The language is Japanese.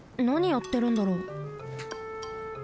なにやってるんだろう。